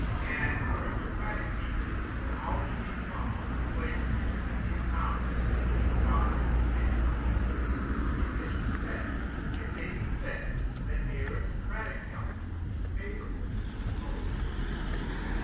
An aristocratic people will always be prone to place intermediate powers between God and man. In this respect it may be said that the aristocratic element is favorable to poetry.